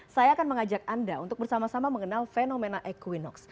saya akan mengajak anda untuk bersama sama mengenal fenomena equinox